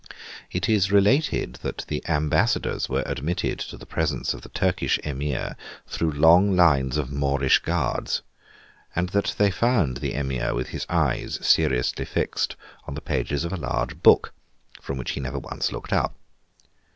It is related that the ambassadors were admitted to the presence of the Turkish Emir through long lines of Moorish guards, and that they found the Emir with his eyes seriously fixed on the pages of a large book, from which he never once looked up.